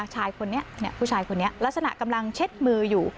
ชายคนนี้ผู้ชายคนนี้ลักษณะกำลังเช็ดมืออยู่